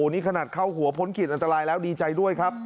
นี่ขนาดเข้าหัวผ้นขีดอันตรายแล้ว